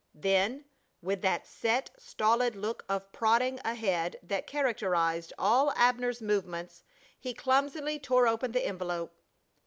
Then, with that set, stolid look of prodding ahead that characterized all Abner's movements he clumsily tore open the envelope.